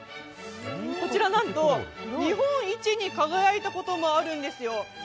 こちらなんと日本一に輝いたこともあるんですよ。